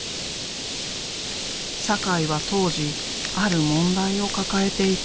酒井は当時ある問題を抱えていた。